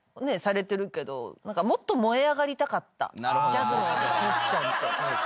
ジャズのセッションって。